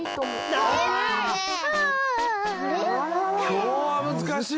きょうはむずかしいなあ！